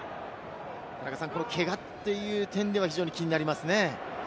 けがという点では非常に気になりますね。